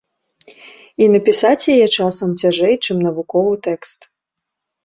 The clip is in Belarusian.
І напісаць яе, часам, цяжэй, чым навуковы тэкст.